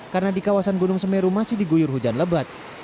karena di kawasan gunung semeru masih diguyur hujan lebat